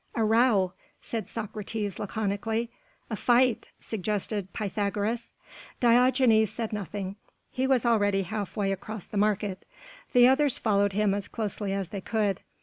"A row," said Socrates laconically. "A fight," suggested Pythagoras. Diogenes said nothing. He was already half way across the Markt. The others followed him as closely as they could.